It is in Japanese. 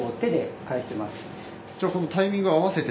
じゃタイミング合わせて。